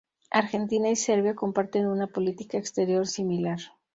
Argentina y Serbia comparten una política exterior similar.